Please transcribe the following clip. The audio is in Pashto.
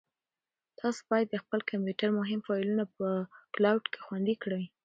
تاسو باید د خپل کمپیوټر مهم فایلونه په کلاوډ کې خوندي کړئ.